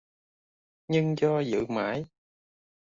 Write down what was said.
Nhưng do dự mãi